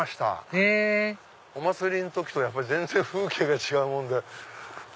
へぇお祭りの時とやっぱり全然風景が違うもんで。